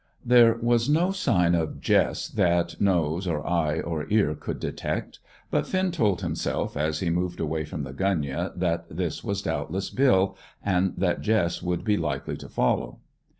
There was no sign of Jess that nose or eye or ear could detect, but Finn told himself as he moved away from the gunyah that this was doubtless Bill, and that Jess would be likely to follow.